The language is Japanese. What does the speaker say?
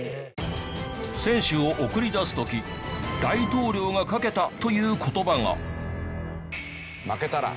選手を送り出す時大統領がかけたという言葉が。